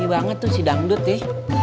padi banget tuh si dangdut nih